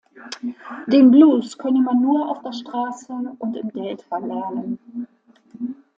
Den Blues könne man nur auf der Straße und im Delta lernen.